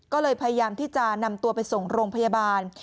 ก็เลยพยายามที่จะนำตัวไปส่งโรงพยาบาล